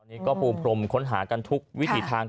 นี่ก็ปูพรมค้นหากันทุกวิถีทาง